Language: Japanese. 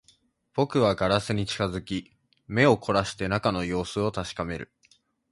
僕はガラスに近づき、目を凝らして中の様子を確かめる